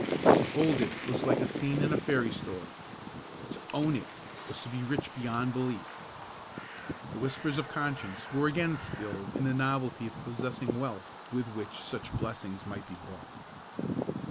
To hold it was like a scene in a fairy story; to own it was to be rich beyond belief. The whispers of conscience were again stilled in the novelty of possessing wealth with which such blessings might be bought.